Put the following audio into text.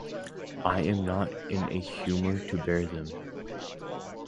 I am not in a humour to bear them.